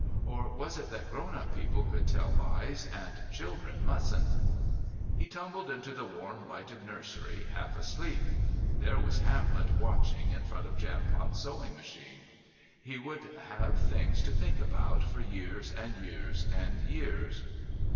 Or was it that grown up people could tell lies and children mustn't?... He tumbled into the warm, lighted nursery half asleep. There was Hamlet watching in front of the Jampot's sewing machine. He would have things to think about for years and years and years...